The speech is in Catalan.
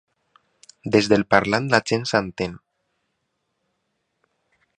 Des del “parlant la gent s’entén”.